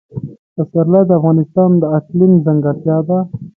پسرلی د افغانستان د اقلیم ځانګړتیا ده.